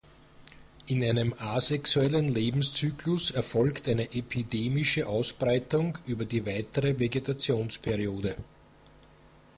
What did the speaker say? In einem asexuellen Lebenszyklus erfolgt eine epidemische Ausbreitung über die weitere Vegetationsperiode.